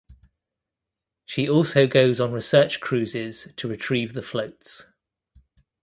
She also goes on research cruises to retrieve the floats.